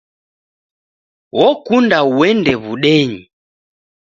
Okunda uende w'udenyi!